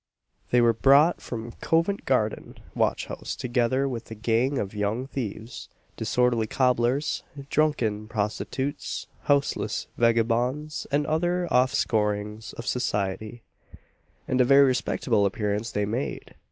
They were brought from Covent Garden watch house, together with a gang of young thieves, disorderly cobblers, drunken prostitutes, houseless vagabonds, and other off scourings of society; and a very respectable appearance they made.